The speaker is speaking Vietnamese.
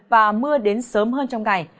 và mưa đến sớm hơn trong ngày